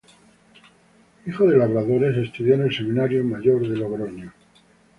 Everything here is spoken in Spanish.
Hijo de labradores, estudió en el seminario mayor de Logroño.